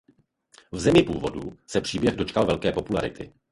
V zemi původu se příběh dočkal velké popularity.